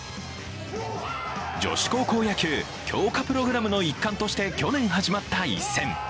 女子高校野球、強化プログラムの一環として去年始まった一戦。